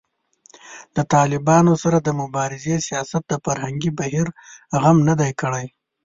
د طالبانو سره د مبارزې سیاست د فرهنګي بهیر غم نه دی کړی